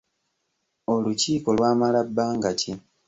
Olukiiko lwamala bbanga ki?